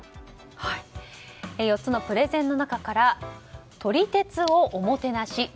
４つのプレゼンの中から撮り鉄をおもてなし。